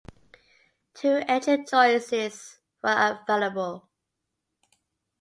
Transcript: Two engine choices were available.